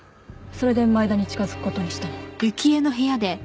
それで前田に近づく事にしたの。